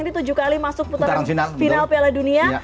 ini tujuh kali masuk putaran final piala dunia